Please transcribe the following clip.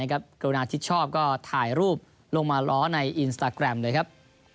กรุณาชิดชอบก็ถ่ายรูปลงมาล้อในอินสตาแกรมเลยครับ